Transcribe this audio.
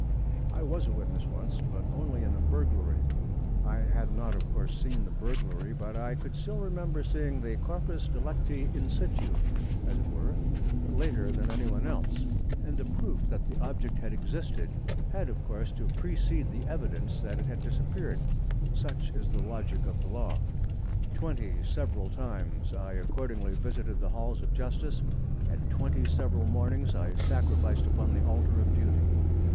I was a witness once, but only in a burglary. I had not, of course, seen the burglary, but I could remember seeing the corpus delicti in situ, as it were, later than any one else; and the proof that the object had existed had, of course, to precede the evidence that it had disappeared. Such is the logic of the law. Twenty several times I accordingly visited the Halls of Justice, and twenty several mornings I sacrificed upon the altar of duty.